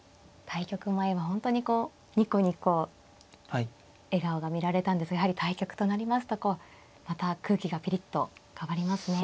対局前は本当にこうニコニコ笑顔が見られたんですがやはり対局となりますとまた空気がピリッと変わりますね。